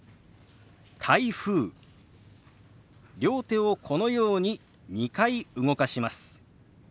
両手をこのように２回動かします。